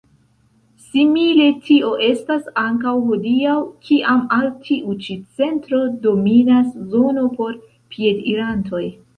Simile tio estas ankaŭ hodiaŭ, kiam al tiu ĉi centro dominas zono por piedirantoj.